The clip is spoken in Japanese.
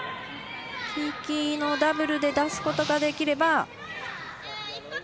黄、黄のダブルが出すことができれば。